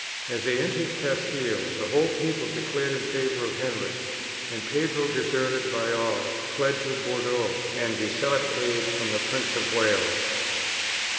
As they entered Castile the whole people declared in favour of Henry, and Pedro, deserted by all, fled to Bordeaux and besought aid from the Prince of Wales.